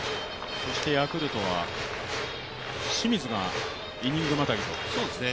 そしてヤクルトは清水がイニングまたぎですね。